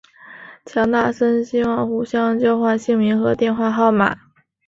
强纳森希望互相交换姓名和电话号码。